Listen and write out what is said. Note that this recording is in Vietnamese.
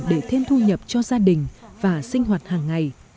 để thêm thu nhập cho gia đình và sinh hoạt hàng ngày